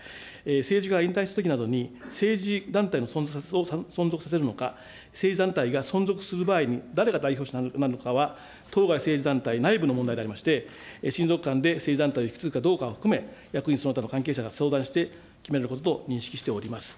政治家が引退したときなどに、政治団体を存続させるのか、政治団体が存続する場合に、誰が代表者になるのかは、当該政治団体内部の問題でありまして、親族間で政治団体を引き継ぐかどうかを含め、役員その他の関係者が相談して、決めることと認識しております。